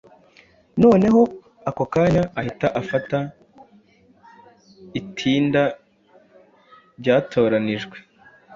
Noneho ako kanya ahita afata itinda ryatoranijwe